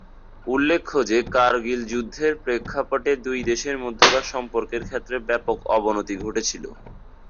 উল্লেখ্য যে, কার্গিল যুদ্ধের প্রেক্ষাপটে দুই দেশের মধ্যকার সম্পর্কের ক্ষেত্রে ব্যাপক অবনতি ঘটেছিল।